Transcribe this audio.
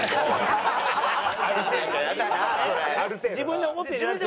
自分で思ってるんじゃなくてね。